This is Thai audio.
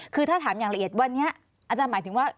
คือถ้าถามอย่างละเอียดวันนี้อาจารย์หมายถึงว่า